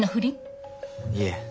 いえ。